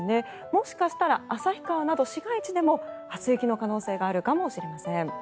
もしかしたら旭川など市街地でも初雪の可能性があるかもしれません。